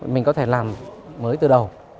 mình có thể làm mới từ đầu